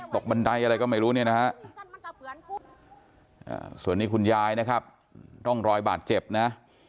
บันไดอะไรก็ไม่รู้เนี่ยนะฮะส่วนนี้คุณยายนะครับร่องรอยบาดเจ็บนะ